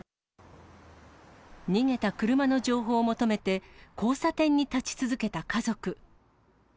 逃げた車の情報を求めて、交差点に立ち続けた家族。